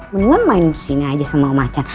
mendingan main kesini aja sama om acan